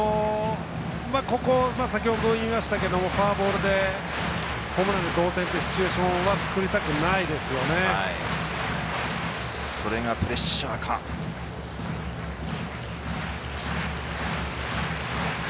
先ほど言いましたけどフォアボールでホームランで同点というシチュエーションはそれがプレッシャーか。